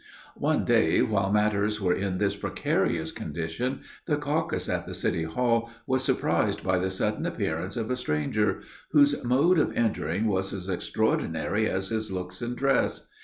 One day, while matters were in this precarious condition, the caucus at the city hall was surprised by the sudden appearance of a stranger, whose mode of entering was as extraordinary as his looks and dress.